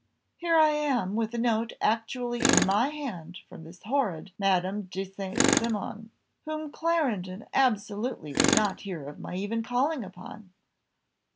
"Here I am, with a note actually in my hand from this horrid Madame de St. Cymon, whom Clarendon absolutely would not hear of my even calling upon!